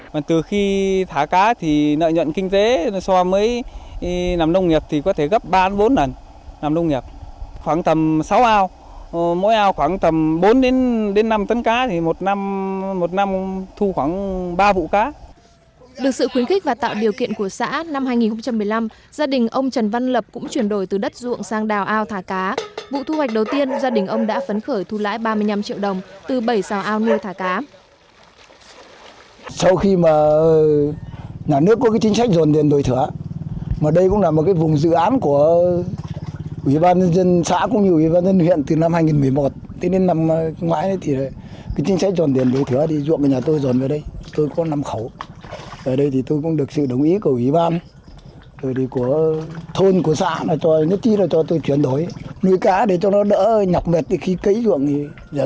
được sự khuyến khích và tạo điều kiện của xã năm hai nghìn một mươi năm gia đình ông trần văn lập cũng chuyển đổi từ đất ruộng sang đào ao thả cá vụ thu hoạch đầu tiên gia đình ông đã phấn khởi thu lãi ba mươi năm triệu đồng từ bảy sao ao nuôi thả cá